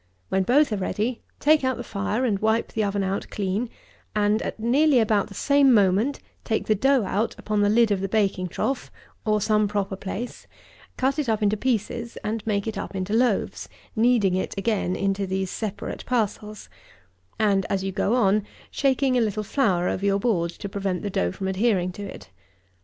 When both are ready, take out the fire, and wipe the oven out clean, and, at nearly about the same moment, take the dough out upon the lid of the baking trough, or some proper place, cut it up into pieces, and make it up into loaves, kneading it again into these separate parcels; and, as you go on, shaking a little flour over your board, to prevent the dough from adhering to it.